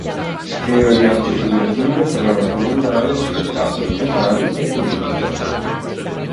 Scriveva di arti figurative, cronache mondane, spettacoli teatrali e politica.